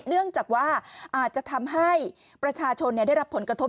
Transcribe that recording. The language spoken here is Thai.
เนื่องจากว่าอาจจะทำให้ประชาชนได้รับผลกระทบ